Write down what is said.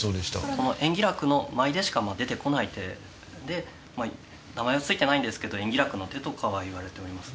この延喜楽の舞でしか出てこない手でまあ名前は付いてないんですけど「延喜楽の手」とかはいわれております